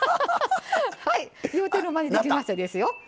はい言うてる間にできましたですよ。